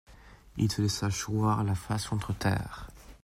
Il se laissa choir la face contre terre.